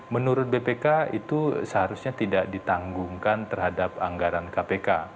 menurut bpk itu seharusnya tidak ditanggungkan terhadap anggaran kpk